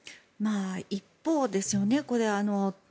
一方ですよね。